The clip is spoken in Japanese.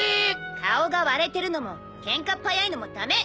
顔が割れてるのもケンカっ早いのも駄目。